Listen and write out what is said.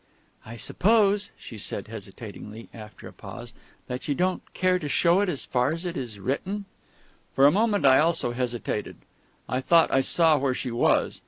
"I suppose," she said hesitatingly, after a pause, "that you don't care to show it as far as it is written?" For a moment I also hesitated. I thought I saw where she was.